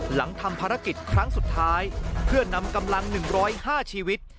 หลังทำภารกิจครั้งสุดท้ายเพื่อนำกำลัง๑๐๕ชีวิต